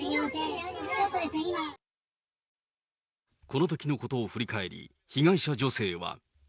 このときのことを振り返り、被害者女性は。